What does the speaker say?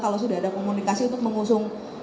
kalau sudah ada komunikasi untuk mengusung